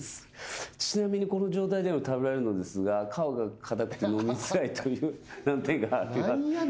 「ちなみにこの状態でも食べられるのですが皮が硬くてのみづらいという難点があります」